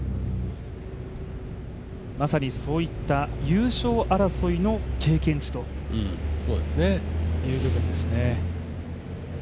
まさにそういった優勝争いの経験値という部分ですね。